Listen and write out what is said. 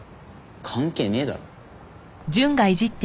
関係ねえだろ。